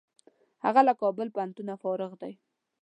هغه له کابل پوهنتونه فارغ دی.